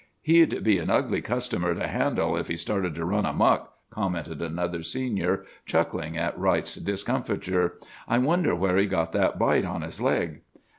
"'He'd be an ugly customer to handle if he started to run amuck,' commented another Senior, chuckling at Wright's discomfiture. 'I wonder where he got that bite on his leg!